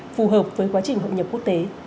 phù hợp với quá trình hội nhập quốc tế